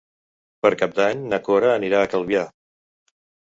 Per Cap d'Any na Cora anirà a Calvià.